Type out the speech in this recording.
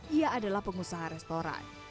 ia adalah pengusaha restoran